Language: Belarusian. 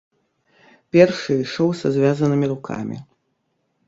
Першы ішоў са звязанымі рукамі.